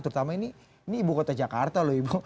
terutama ini ibu kota jakarta lho ibu